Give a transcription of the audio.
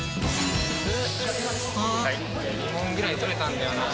クソ２本ぐらい取れたんだよな